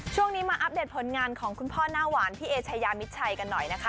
ช่วงนี้มาอัปเดตผลงานของคุณพ่อหน้าหวานพี่เอชายามิดชัยกันหน่อยนะคะ